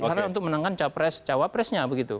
karena untuk menangkan cawa presnya begitu